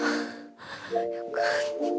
よかった。